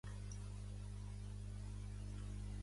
Aleshores va marxar un temps a Veneçuela.